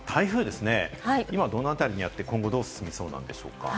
まず台風、今どの辺りにあって今後、どう進みそうなんでしょうか？